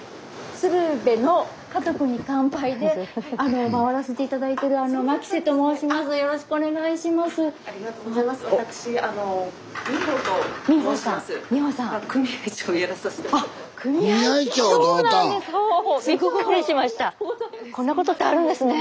スタジオこんなことってあるんですね！